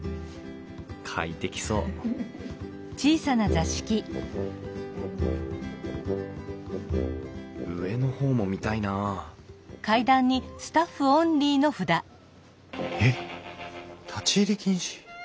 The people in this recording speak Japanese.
快適そう上の方も見たいなあえっ立ち入り禁止。